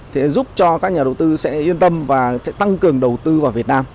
thế giúp cho các nhà đầu tư sẽ yên tâm và sẽ tăng cường đầu tư vào việt nam